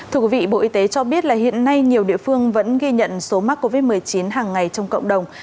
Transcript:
thưa quý vị bộ y tế cho biết là hiện nay nhiều địa phương vẫn ghi nhận số mắc covid một mươi chín hàng ngày trong cộng đồng